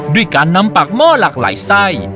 ด้วยการนำปากม่อหลากไหลทรัย